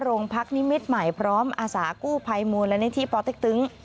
โรงพักนิมิตรใหม่พร้อมอาสากู้ภัยมูลและนิทีปตึ๊ง